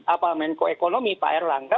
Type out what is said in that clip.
apa menko ekonomi pak erlangga